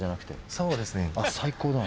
そうですね。